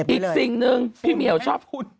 อีกสิ่งหนึ่งพี่เหมียวชอบพูด